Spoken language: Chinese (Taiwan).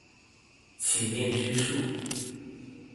祈念之樹